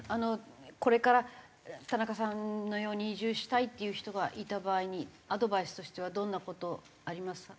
これから田中さんのように移住したいっていう人がいた場合にアドバイスとしてはどんな事あります？